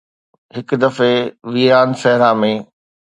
هڪ دفعي ويران صحرا ۾